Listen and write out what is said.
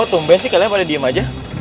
kok tumben sih kalian pada diem aja